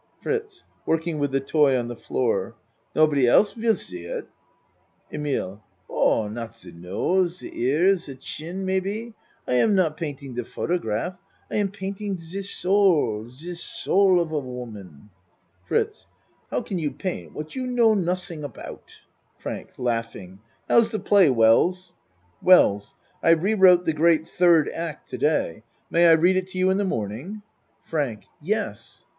FRITZ (Working with the toy on the floor.) Nobody else vill see it. EMILE Ah, not ze nose ze ears ze chin, may be I am not, painting the photograph. I am painting the soul ze soul of a woman. FRITZ How can you paint what you know nud ding about? FRANK How's the play, Wells? WELLS I rewrote the great third act to day. ACT I 21 May I read it to you in the morning? FRANK Yes.